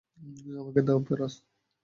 আমাকে দাও, পোরাস।